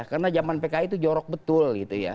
karena zaman pki itu jorok betul gitu ya